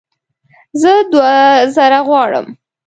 زه دوه زره غواړم